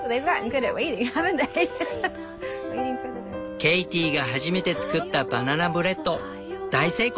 ケイティが初めて作ったバナナブレッド大成功。